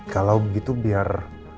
kalo gitu biar